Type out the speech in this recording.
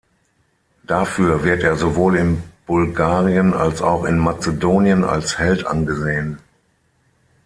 Dafür wird er sowohl in Bulgarien als auch in Mazedonien als Held angesehen.